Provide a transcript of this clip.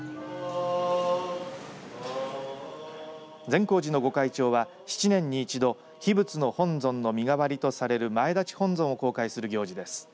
善光寺の御開帳は、７年に１度秘仏の本尊の身代わりとされる前立本尊を公開する行事です。